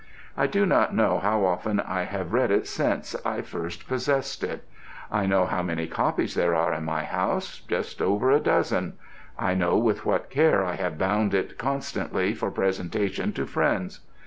I do not know how often I have read it since I first possessed it. I know how many copies there are in my house just over a dozen. I know with what care I have bound it constantly for presentation to friends.